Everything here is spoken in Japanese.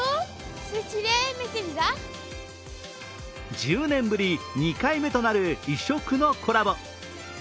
１０年ぶり２回目となる異色のコラボ。